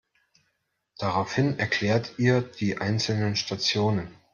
Daraufhin erklärt ihr die einzelnen Stationen.